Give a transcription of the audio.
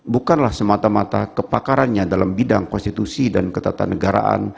bukanlah semata mata kepakarannya dalam bidang konstitusi dan ketatanegaraan